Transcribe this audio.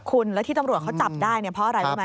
คุณแล้วที่ตำรวจเขาจับได้เนี่ยเพราะอะไรรู้ไหม